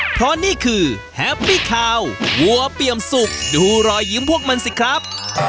เพราะนี่คือแฮปปี้คาวหัวเปี่ยมสุกดูรอยยิ้มพวกมันสิครับ